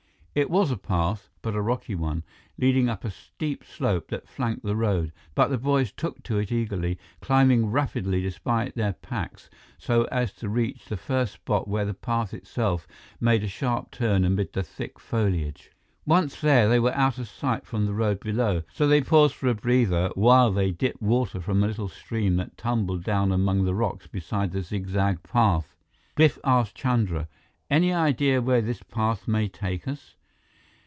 It was a path, but a rocky one, leading up a steep slope that flanked the road. But the boys took to it eagerly, climbing rapidly despite their packs, so as to reach the first spot where the path itself made a sharp turn amid the thick foliage. Once there, they were out of sight from the road below, so they paused for a breather while they dipped water from a little stream that tumbled down among the rocks beside the zigzag path. Biff asked Chandra, "Any idea where this path may take us?"